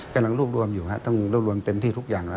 กำลังรวบรวมอยู่ครับต้องรวบรวมเต็มที่ทุกอย่างแล้ว